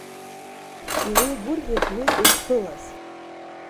Илеигәырӷьеит уи илԥылаз.